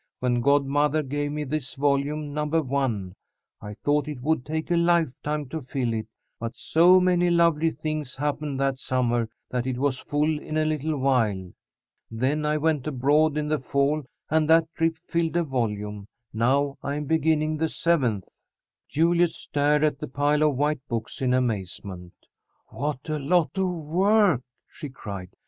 When godmother gave me this volume, number one, I thought it would take a lifetime to fill it, but so many lovely things happened that summer that it was full in a little while. Then I went abroad in the fall, and that trip filled a volume. Now I am beginning the seventh." Juliet stared at the pile of white books in amazement. "What a lot of work!" she cried.